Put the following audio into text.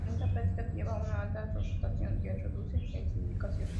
Esta práctica lleva a una alta rotación que reduce la sindicación.